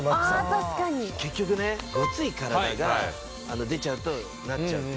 結局ねごつい体が出ちゃうとなっちゃうので。